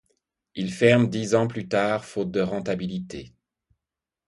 Il ferme dix ans plus tard faute de rentabilité.